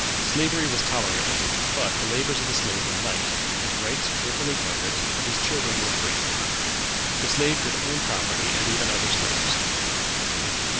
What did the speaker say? Slavery was tolerated, but the labors of the slave were light, his rights carefully guarded, and his children were free. The slave could own property, and even other slaves.